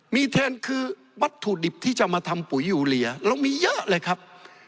มีเทนคือวัตถุดิบที่จะมาทำปุ๋ยยูเรียเรามีเยอะเลยครับ